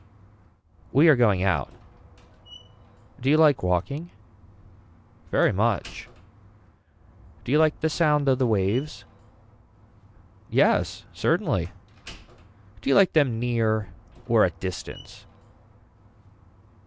We are going out. Do you like walking. Very much. Do you like the sound of the waves. Yes certainly. Do you like them near or at distance.